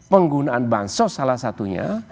penggunaan bansos salah satunya